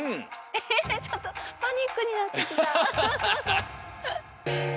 えっちょっとパニックになってきた。